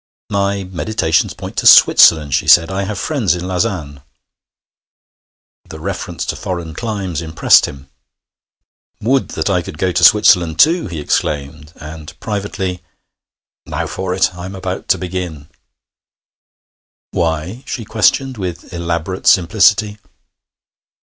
'My meditations point to Switzerland,' she said. 'I have friends in Lausanne.' The reference to foreign climes impressed him. 'Would that I could go to Switzerland too!' he exclaimed; and privately: 'Now for it! I'm about to begin.' 'Why?' she questioned, with elaborate simplicity.